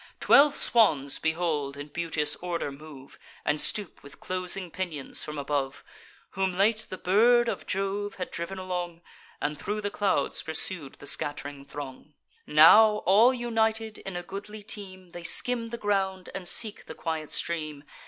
Twelve swans behold in beauteous order move, And stoop with closing pinions from above; Whom late the bird of Jove had driv'n along, And thro' the clouds pursued the scatt'ring throng: Now, all united in a goodly team, They skim the ground, and seek the quiet stream.